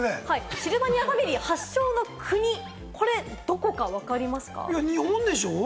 シルバニアファミリー発祥の国、どこかわかりますか？